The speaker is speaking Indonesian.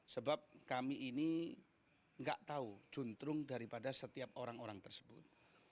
sebab kami ini nggak tahu juntrung daripada setiap orang orang tersebut